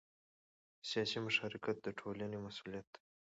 سیاسي مشارکت د ټولنې مسؤلیت دی